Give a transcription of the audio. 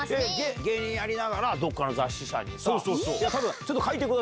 芸人やりながら、どっかの雑誌社にさ。